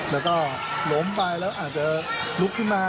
แล้วก็ล้มไปแล้วอาจจะลุกขึ้นมา